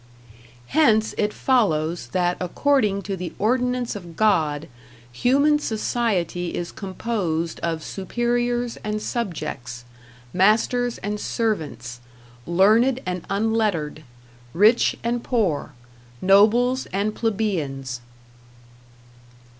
Hence it follows that according to the ordinance of God, human society is composed of superiors and subjects, masters and servants, learned and unlettered, rich and poor, nobles and plebeians.